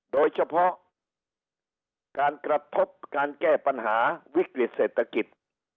โดยเฉพาะการกระทบการแก้ปัญหาวิกฤติเศรษฐกิจ